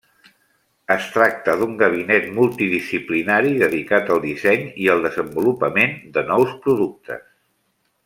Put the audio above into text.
Es tracta d'un gabinet multidisciplinari dedicat al disseny i al desenvolupament de nous productes.